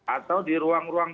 atau di ruang ruang